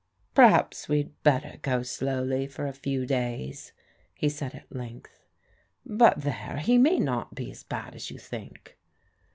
" Per haps we'd better go slowly for a few days," he said at lengthy " but there, he may not be as bad as you think."